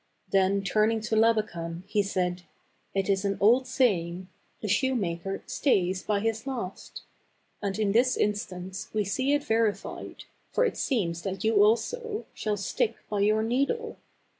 Then turning to Labakan, he said, " It is an old saying, 4 The shoemaker stays by his last/ And in this instance we see it veri fied, for it seems that you also, shall stick by your needle.